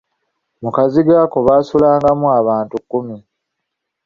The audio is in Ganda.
Mu kazigo ako baasulangamu abantu kkumi.